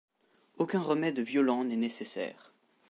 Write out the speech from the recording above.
Aucun remède violent n’est nécessaire.